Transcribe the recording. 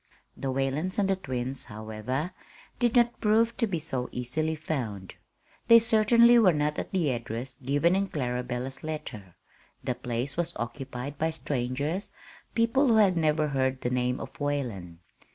The Whalens and the twins, however, did not prove to be so easily found. They certainly were not at the address given in Clarabella's letter. The place was occupied by strangers people who had never heard the name of Whalen.